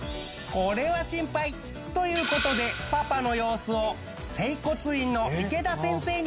これは心配という事でパパの様子を整骨院の池田先生に診てもらったニャ！